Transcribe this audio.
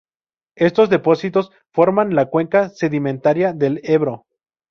Estos depósitos forman la cuenca sedimentaria del Ebro.